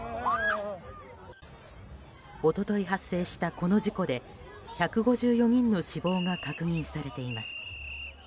一昨日発生した、この事故で１５４人の死亡が確認されています。